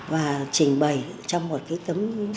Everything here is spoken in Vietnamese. và trình bày trong một cái tấm bức tranh